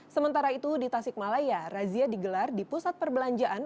sementara itu di tasikmalaya razia digelar di pusat perbelanjaan